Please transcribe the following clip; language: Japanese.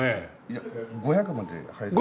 いや５００まで入る。